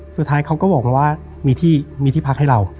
สุดท้ายเขาก็บอกมาว่ามีที่พักให้เรา